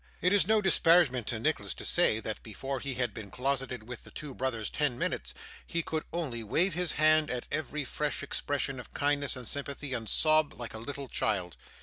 It is no disparagement to Nicholas to say, that before he had been closeted with the two brothers ten minutes, he could only wave his hand at every fresh expression of kindness and sympathy, and sob like a little child.